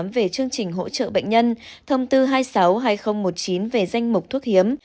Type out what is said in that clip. về chương trình hỗ trợ bệnh nhân thông tư hai mươi sáu hai nghìn một mươi chín về danh mục thuốc hiếm